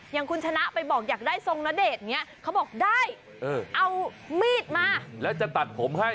อย่างคุณชนะไปบอกอยากได้ทรงณเดชน์อย่างนี้เขาบอกได้เอามีดมาแล้วจะตัดผมให้